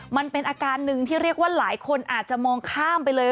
มันเป็นอาการหนึ่งที่เรียกว่าหลายคนอาจจะมองข้ามไปเลย